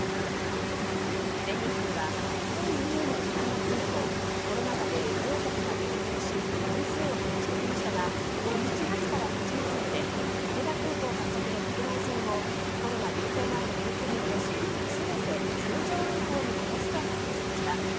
全日空は２０２０年３月以降コロナ禍で利用客が激減し便数を減らしてきましたが７月から８月まで羽田空港発着の国内線をコロナ流行前の便数に戻し全て通常運航に戻すと発表しました。